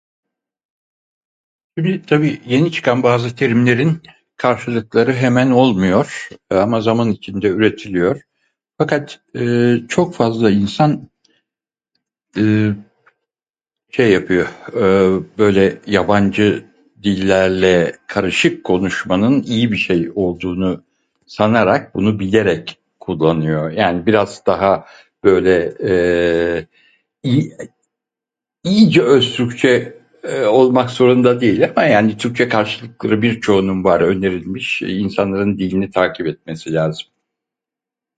Tabi yeni çıkan bazı terimlerin karşılıkları hemen olmuyor ama zaman içinde üretiliyor. Fakat çok fazla insan şey yapıyor böyle yabancı dillerle karışık konuşmanın iyi birşey olduğunu sanarak, bunu bilerek kullanıyor yani biraz daha böyle iyi ... iyice öz türkçe olmak zorunda değil ama yani Türkçe karşılıkları var birçoğunun var önerilmiş, insanların dilini takip etmesi lazım.